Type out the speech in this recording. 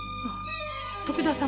徳田様。